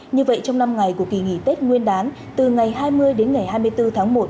như vậy trong năm ngày của kỳ nghỉ tết nguyên đán từ ngày hai mươi đến ngày hai mươi bốn tháng một